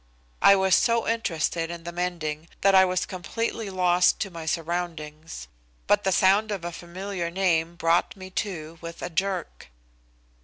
I was so interested in the mending that I was completely lost to my surroundings, but the sound of a familiar name brought me to with a jerk.